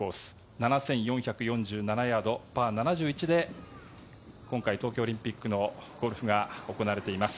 ７４７１ヤード、パー７１で今回東京オリンピックのゴルフが行われます。